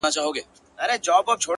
ه مړ يې که ژونديه ستا، ستا خبر نه راځي